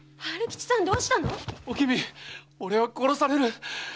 春吉さんどうしたの⁉おきみ俺は殺される！